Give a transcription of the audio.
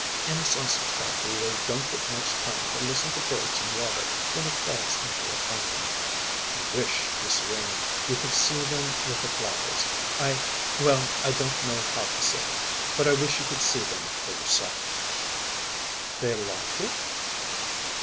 In a sausage factory they don't get much time to listen to birds and water when it falls into a fountain. I wish, Miss Renie, you could see them with the flowers. I well, I don't know how to say it; but I wish you could see them for yourself." "They like it?"